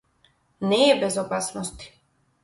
Не е без опасности.